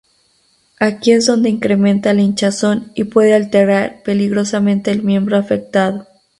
Aquí es donde incrementa la hinchazón y puede alterar peligrosamente el miembro afectado.